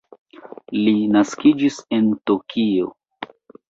Li naskiĝis en Tokio.